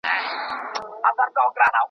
د لېوه یې په نصیب کښلي ښکارونه .